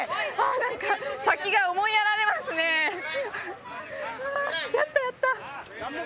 何か先が思いやられますねやったやった！